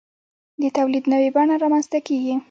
د تولید نوې بڼه رامنځته کیږي.